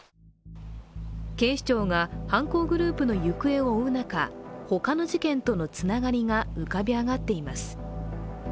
警視庁が犯行グループの行方を追う中、他の事件とのつながりが浮かび上がっています。